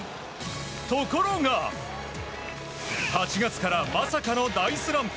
ところが８月からまさかの大スランプ。